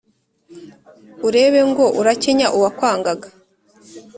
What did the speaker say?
urebe ngo urakenya uwakwangaga.